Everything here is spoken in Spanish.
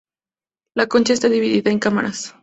La concha estaba dividida en cámaras.